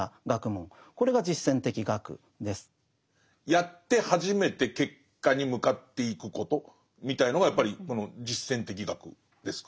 やって初めて結果に向かっていくことみたいのがやっぱりこの実践的学ですか？